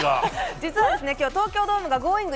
実は今日、東京ドームが「Ｇｏｉｎｇ！」